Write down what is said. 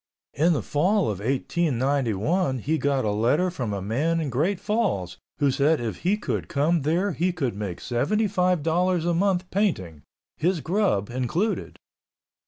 In the fall of 1891 he got a letter from a man in Great Falls who said if he could come there he could make seventy five dollars a month painting, his grub included.